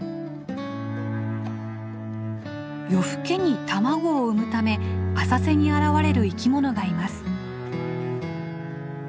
夜更けに卵を産むため浅瀬に現れる生きものがいます。